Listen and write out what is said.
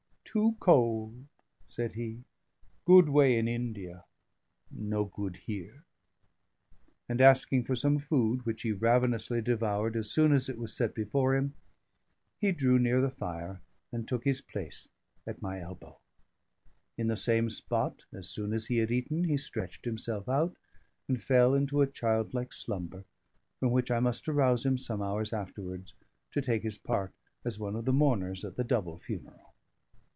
"Too cold," said he, "good way in India, no good here." And, asking for some food, which he ravenously devoured as soon as it was set before him, he drew near to the fire and took his place at my elbow. In the same spot, as soon as he had eaten, he stretched himself out, and fell into a childlike slumber, from which I must arouse him, some hours afterwards, to take his part as one of the mourners at the double funeral.